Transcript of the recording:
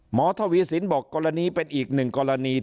ทวีสินบอกกรณีเป็นอีกหนึ่งกรณี